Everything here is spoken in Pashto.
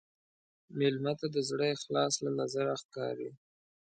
مېلمه ته د زړه اخلاص له نظره ښکاري.